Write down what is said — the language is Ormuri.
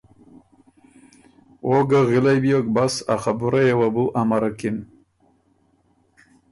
او ګه غِلئ بیوک بس ا خبُرئ یه وه بو امَرَکِن۔